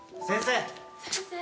先生。